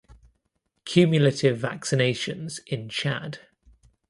Cumulative vaccinations in Chad